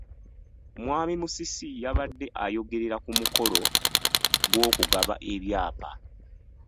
Mwami Musisi yabadde ayogerera ku mukolo gw’okugaba ebyapa.